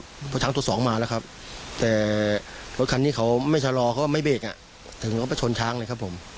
เพราะชั้นส่งตัว๒มาแล้วครับแต่รถคันนี้เขาไม่ชะลอเขาไม่เบจนี่ก็ชนช้างเลยครับผม